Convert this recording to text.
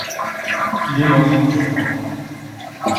Il est mort, je crois.